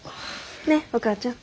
ねっお母ちゃん。